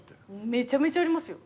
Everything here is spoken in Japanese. めちゃめちゃありますよ。